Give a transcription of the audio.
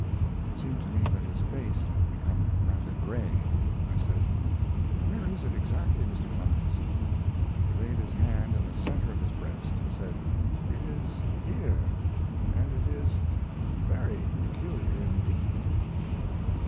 It seemed to me that his face had become rather gray. I said: "Where is it, exactly, Mr. Clemens?" He laid his hand in the center of his breast and said: "It is here, and it is very peculiar indeed."